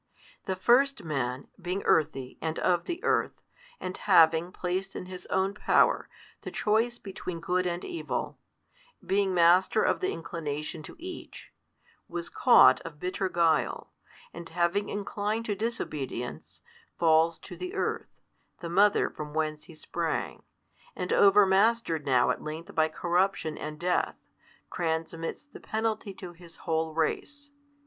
The first man, being earthy, and of the earth, and having, placed in his own power, the choice between good and evil, being master of the inclination to each, was caught of bitter guile, and having inclined to disobedience, falls to the earth, the mother from whence he sprang, and over mastered now at length by corruption and death, transmits the penalty to his whole race.